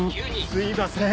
すいません。